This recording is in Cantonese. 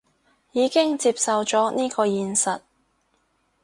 已經接受咗呢個現實